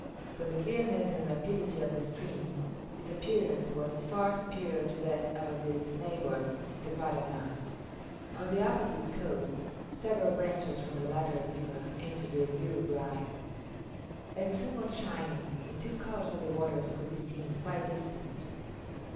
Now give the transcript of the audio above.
From the clearness and rapidity of the stream, its appearance was far superior to that of its neighbour the Parana. On the opposite coast, several branches from the latter river entered the Uruguay. As the sun was shining, the two colours of the waters could be seen quite distinct.